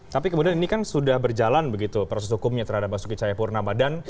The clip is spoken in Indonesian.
tapi kemudian ini kan sudah berjalan begitu proses hukumnya terhadap mas yuki chayapurna badan